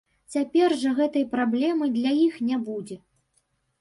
Цяпер жа гэтай праблемы для іх не будзе.